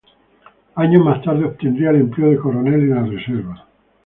Años más tarde obtendría el empleo de Coronel en la Reserva.